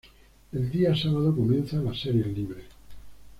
El día sábado comienzan las series libres.